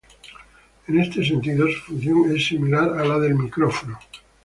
En este sentido, su función es similar a la del micrófono.